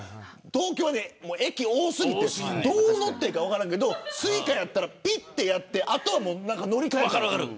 東京は駅が多過ぎてどう乗っていいか分からんけどＳｕｉｃａだったらピッてやってあとは乗り換えるだけ。